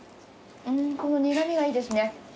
この苦みがいいですね。